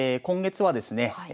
今月はですね